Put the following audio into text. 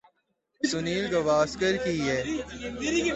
سنیل گواسکر کی یہ